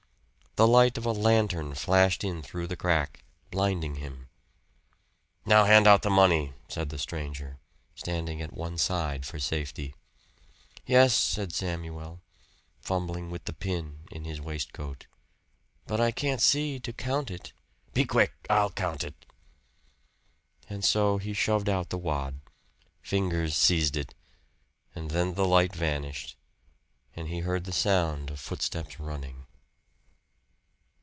The light of a lantern flashed in through the crack, blinding him. "Now hand out the money," said the stranger, standing at one side for safety. "Yes," said Samuel, fumbling with the pin in his waistcoat. "But I can't see to count it." "Be quick! I'll count it!" And so he shoved out the wad. Fingers seized it; and then the light vanished, and he heard the sound of footsteps running.